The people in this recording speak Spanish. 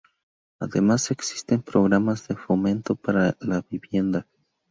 Además existen programas de fomento para la vivienda.